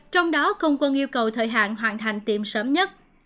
trong đó không quân yêu cầu thời hạn hoàn thành tiệm sớm nhất